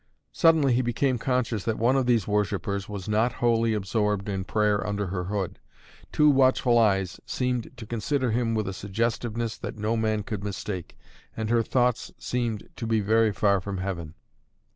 Suddenly he became conscious that one of these worshippers was not wholly absorbed in prayer under her hood. Two watchful eyes seemed to consider him with a suggestiveness that no man could mistake, and her thoughts seemed to be very far from heaven.